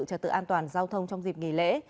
trật tự an toàn giao thông trong dịp nghỉ lễ